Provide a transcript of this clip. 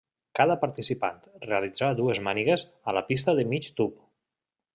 Cada participant realitzà dues mànigues a la pista de migtub.